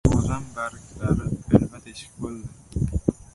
Bir g‘o‘zam barglari ilma-teshik bo‘ldi.